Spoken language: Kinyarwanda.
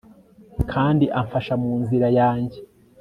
kandi amfasha mu nzira yanjye